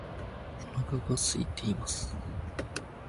お腹が空いています